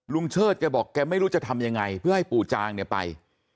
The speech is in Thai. เชิดแกบอกแกไม่รู้จะทำยังไงเพื่อให้ปู่จางเนี่ยไป